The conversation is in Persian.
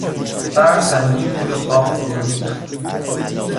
برف سنگین بود و تاق فرو ریخت.